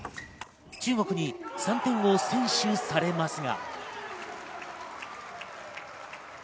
中国に３点を先取されますが。